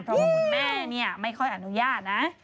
เพราะว่าคุณแม่ไม่ค่อยอนุญาตนะ